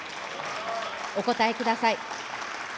お答えください。